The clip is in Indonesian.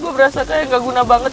gue berasa kayak gak guna banget